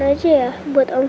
dia ikut gitu ya